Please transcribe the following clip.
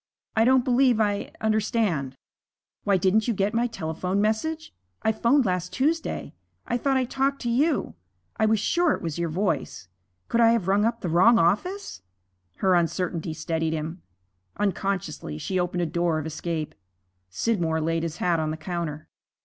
'I don't believe I understand.' 'Why, didn't you get my telephone message? I 'phoned last Tuesday. I thought I talked to you. I was sure it was your voice. Could I have rung up the wrong office?' Her uncertainty steadied him. Unconsciously she opened a door of escape. Scidmore laid his hat on the counter.